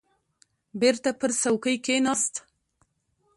بېرته پر چوکۍ کښېناست.